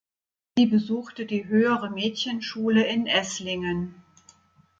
Sie besuchte die Höhere Mädchenschule in Esslingen.